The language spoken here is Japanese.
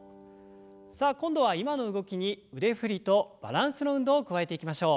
さあ今度は今の動きに腕振りとバランスの運動を加えていきましょう。